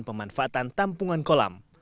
pemanfaatan tampungan kolam